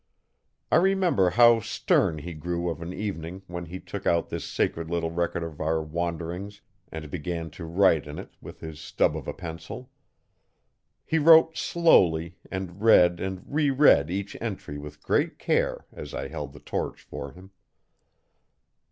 I remember how stern he grew of an evening when he took out this sacred little record of our wanderings and began to write in it with his stub of a pencil. He wrote slowly and read and reread each entry with great care as I held the torch for him.